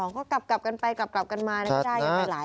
๓๒๕๕๓๒ก็กลับกันไปกลับกันมาได้ยังไปหลายคน